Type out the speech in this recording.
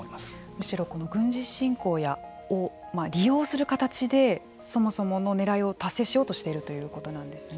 むしろこの軍事侵攻を利用する形でそもそものねらいを達成しようとしているということなんですね。